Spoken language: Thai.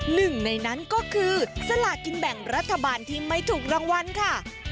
หนึ่งในนั้นก็คือสลากินแบ่งรัฐบาลที่ไม่ถูกรางวัลค่ะ